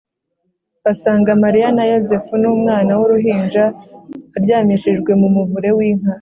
, basanga Mariya na Yosefu n’umwana w’uruhinja aryamishijwe mu muvure w’inka